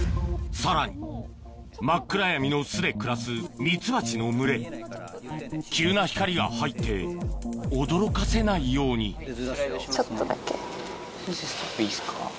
さらに真っ暗闇の巣で暮らすミツバチの群れ急な光が入って驚かせないように先生ストップいいですか？